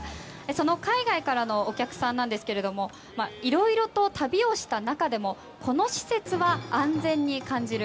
その海外からのお客さんですがいろいろと旅をした中でもこの施設は安全に感じる。